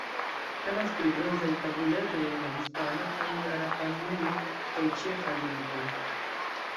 Temas pri bronzaj tabuletoj en la hispana, angla, rapa-nui kaj ĉeĥa lingvoj.